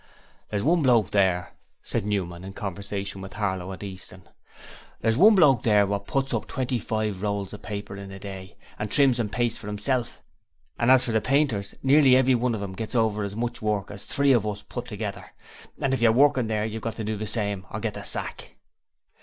'There's one bloke there,' said Newman, in conversation with Harlow and Easton. 'There's one bloke there wot puts up twenty five rolls o' paper in a day an' trims and pastes for 'imself; and as for the painters, nearly everyone of 'em gets over as much work as us three put together, and if you're working there you've got to do the same or get the sack.'